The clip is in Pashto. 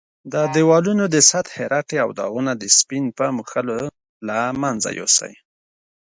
د دېوالونو د سطحې رټې او داغونه د سپین په مښلو له منځه یوسئ.